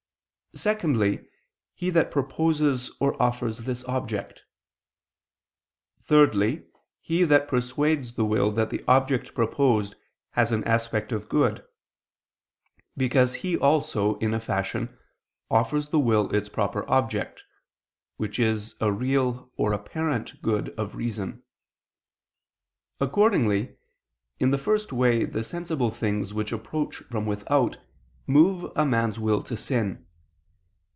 Secondly, he that proposes or offers this object. Thirdly, he that persuades the will that the object proposed has an aspect of good, because he also, in a fashion, offers the will its proper object, which is a real or apparent good of reason. Accordingly, in the first way the sensible things, which approach from without, move a man's will to sin.